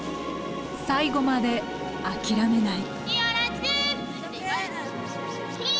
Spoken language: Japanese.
最後まで諦めない。